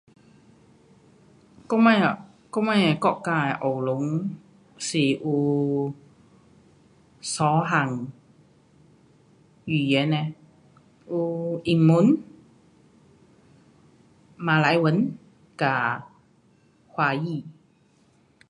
我们-我们国家的学校是有三种语言。有英语，马来语和华语